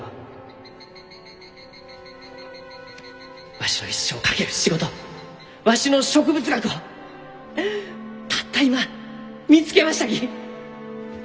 わしの一生を懸ける仕事わしの植物学をたった今見つけましたき！